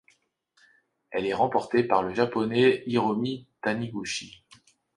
Elle est remportée par le Japonais Hiromi Taniguchi.